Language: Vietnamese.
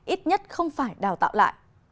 ít nhất không phải đào tạo lại